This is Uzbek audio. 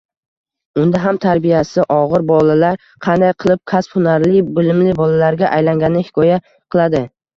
Unda ham tarbiyasi ogʻir bolalar qanday qilib kasb-hunarli, bilimli bolalarga aylangani hikoya qiladi